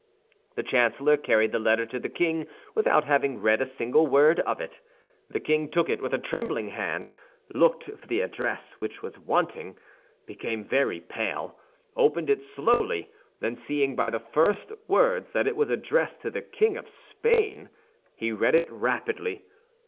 The chancellor carried the letter to the king without having read a single word of it. The king took it with a trembling hand, looked for the address, which was wanting, became very pale, opened it slowly, then seeing by the first words that it was addressed to the King of Spain, he read it rapidly.